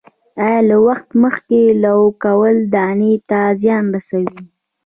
آیا له وخت مخکې لو کول دانې ته زیان رسوي؟